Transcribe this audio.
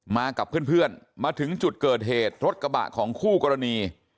มากับเพื่อนมาถึงจุดเกิดเหตุรถกระบะของคู่กรณี